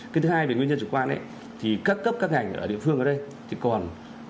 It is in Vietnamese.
cái thứ hai về nguyên nhân chủ quan thì các cấp các ngành ở địa phương ở đây thì còn